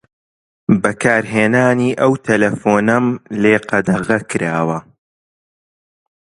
بەکارهێنانی ئەم تەلەفۆنەم لێ قەدەغە کراوە.